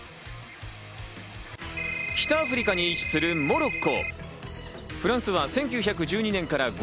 北アフリカに位置するモロッコ。